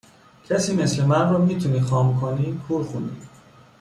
کسی مثل من رو میتونی خام کنی کور خوندی